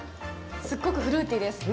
すっごくフルーティーです。